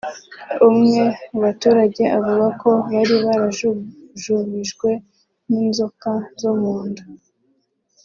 umwe mu baturage avuga ko bari barajujubijwe n’inzoka zo mu nda